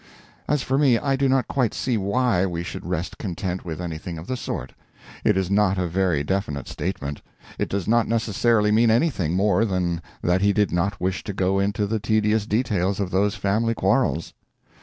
As for me, I do not quite see why we should rest content with anything of the sort. It is not a very definite statement. It does not necessarily mean anything more than that he did not wish to go into the tedious details of those family quarrels.